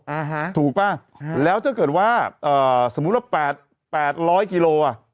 อ่าฮะถูกป่ะแล้วถ้าเกิดว่าเอ่อสมมุติว่าแปดแปดร้อยกิโลอ่ะ